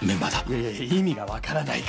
いやいや意味が分からないから。